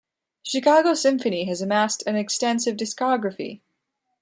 The Chicago Symphony has amassed an extensive discography.